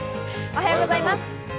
おはようございます。